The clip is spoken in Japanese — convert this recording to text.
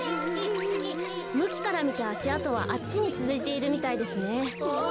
むきからみてあしあとはあっちにつづいているみたいですね。